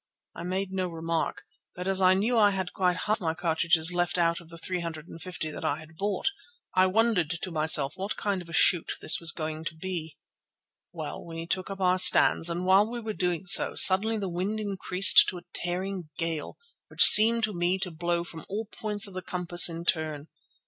I made no remark, but as I knew I had quite half of my cartridges left out of the three hundred and fifty that I had bought, I wondered to myself what kind of a shoot this was going to be. Well, we took up our stands, and while we were doing so, suddenly the wind increased to a tearing gale, which seemed to me to blow from all points of the compass in turn.